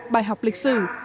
bài học lịch sử